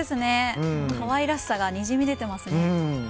かわいらしさがにじみ出ています。